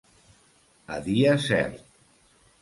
A dia cert.